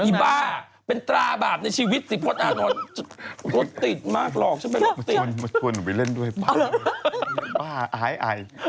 เย้บ้าหายใอ